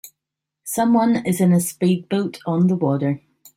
Someone is in a speed boat on the water